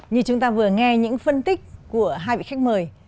như chúng ta vừa nghe những phân tích của hai vị khách mời